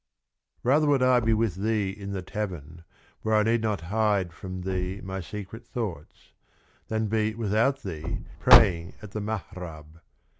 ^~^ J Rather would I be with thee in the Ta vern, where I need not hide from thee my secret Thoughts ; than be without thee, pray ing at the Mahrab.